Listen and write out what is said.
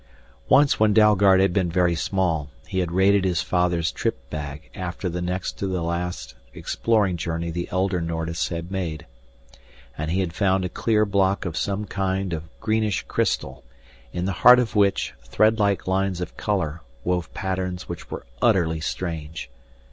Once when Dalgard had been very small he had raided his father's trip bag after the next to the last exploring journey the elder Nordis had made. And he had found a clear block of some kind of greenish crystal, in the heart of which threadlike lines of color wove patterns which were utterly strange.